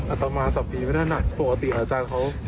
อัตโมมาสับผีไม่ได้หนักปกติอาจารย์เขา